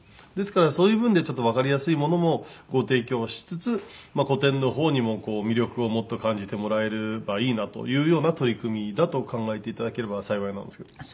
ですからそういう分でちょっとわかりやすいものもご提供しつつ古典の方にもこう魅力をもっと感じてもらえればいいなというような取り組みだと考えていただければ幸いなんですけど。